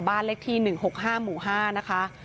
บ้านเลขที่๑๖๕หมู่๕นะคะ